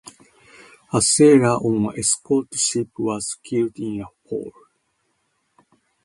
A sailor on an escort ship was killed in a fall.